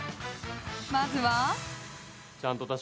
まずは。